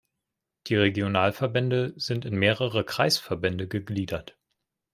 Die Regionalverbände sind in mehrere Kreisverbände gegliedert.